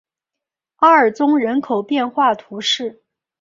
阿尔宗人口变化图示